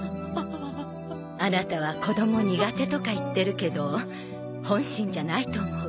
アナタは子供苦手とか言ってるけど本心じゃないと思う。